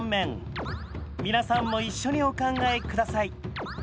皆さんも一緒にお考え下さい。